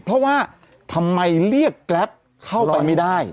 เพราะว่าทำไมเรียกแกรปเข้าไปไม่ได้